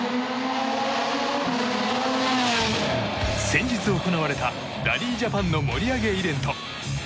先日行われたラリー・ジャパンの盛り上げイベント。